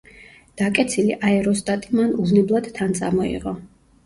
დაკეცილი აეროსტატი მან უვნებლად თან წამოიღო.